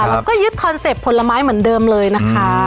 แล้วก็ยึดคอนเซ็ปต์ผลไม้เหมือนเดิมเลยนะคะ